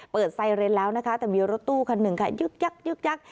ไซเรนแล้วนะคะแต่มีรถตู้คันหนึ่งค่ะยึกยักยึกยัก